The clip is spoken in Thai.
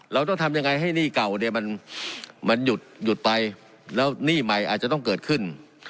เราต้องทำยังไงให้หนี้เก่าเนี่ยมันหยุดไปแล้วหนี้ใหม่อาจจะต้องเกิดขึ้น